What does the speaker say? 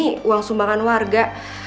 ini uang sumbangan warga